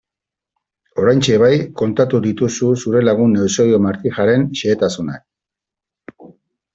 Oraintxe bai, kontatu dituzu zure lagun Eusebio Martijaren xehetasunak...